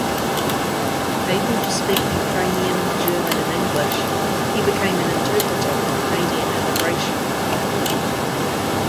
Able to speak Ukrainian, German and English he became an interpreter for Canadian immigration.